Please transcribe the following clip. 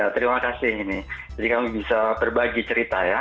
terima kasih jadi kamu bisa berbagi cerita ya